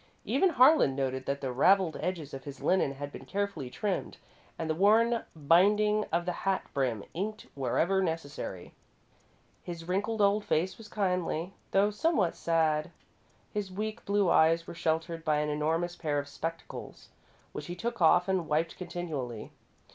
Even Harlan noted that the ravelled edges of his linen had been carefully trimmed and the worn binding of the hat brim inked wherever necessary. His wrinkled old face was kindly, though somewhat sad. His weak blue eyes were sheltered by an enormous pair of spectacles, which he took off and wiped continually.